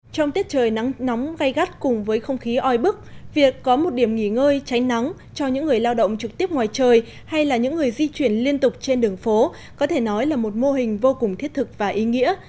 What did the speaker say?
trong tiết trời nắng nóng gây gắt cùng với không khí oi bức việc có một điểm nghỉ ngơi tránh nắng cho những người lao động trực tiếp ngoài trời hay là những người di chuyển liên tục trên đường phố có thể nói là một mô hình vô cùng thiết thực và ý nghĩa